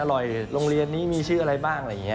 อร่อยโรงเรียนนี้มีชื่ออะไรบ้าง